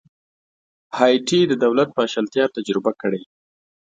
هایټي د دولت پاشلتیا تجربه کړې.